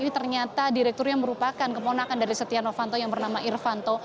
ini ternyata direktur yang merupakan keponakan dari setia novanto yang bernama irman